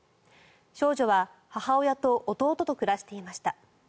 少女は母親と弟と暮らしていました。